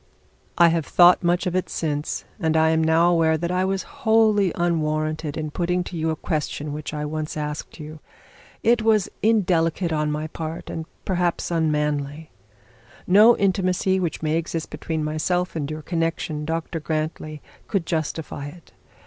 'I have thought much of it since, and I am now aware that I was wholly unwarranted in putting to you a question which I once asked you. It was indelicate on my part, and perhaps unmanly. No intimacy which may exist between myself and your connection, Dr Grantly, could justify it.